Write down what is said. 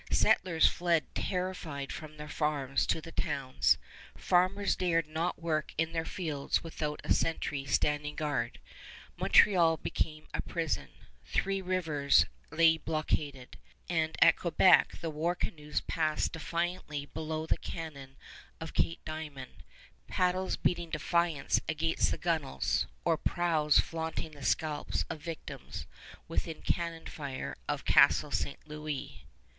Settlers fled terrified from their farms to the towns; farmers dared not work in their fields without a sentry standing guard; Montreal became a prison; Three Rivers lay blockaded; and at Quebec the war canoes passed defiantly below the cannon of Cape Diamond, paddles beating defiance against the gun'els, or prows flaunting the scalps of victims within cannon fire of Castle St. Louis.